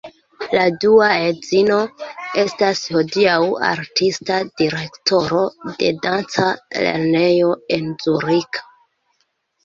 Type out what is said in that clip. La dua edzino estas hodiaŭ artista direktoro de danca lernejo en Zuriko.